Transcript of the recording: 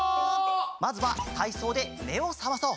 まずはたいそうでめをさまそう！